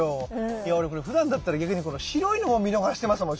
いや俺ふだんだったら逆にこの白いのも見逃してますもん。